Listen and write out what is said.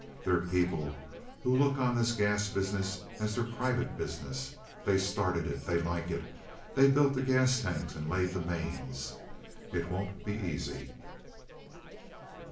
They're people who look on this gas business as their private business. They started it. They like it. They built the gas tanks and laid the mains. It won't be easy."